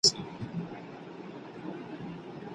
ولي ملي سوداګر طبي درمل له هند څخه واردوي؟